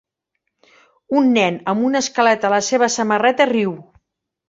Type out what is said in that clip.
Un nen amb un esquelet a la seva samarreta riu.